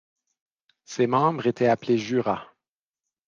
Ses membres étaient appelés jurats.